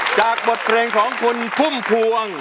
จากบทเพลงของคุณพุ่มพวง